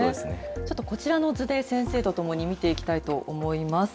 ちょっと、こちらの図で先生と共に見ていきたいと思います。